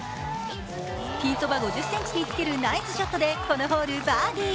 ピンそば５０ｃｍにつけるナイスショットでこのホール、バーディー。